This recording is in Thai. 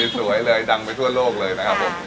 สวยเลยดังไปทั่วโลกเลยนะครับผม